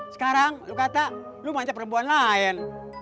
sekarang lu kata lu manja perempuan lain